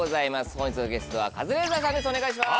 本日のゲストはカズレーザーさんです